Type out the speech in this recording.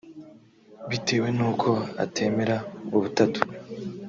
bitewe n’uko atemera ubutatu